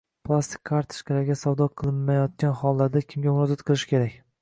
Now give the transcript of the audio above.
Plastik kartochkalarga savdo qilinmayotgan hollarda kimga murojaat qilish kerak?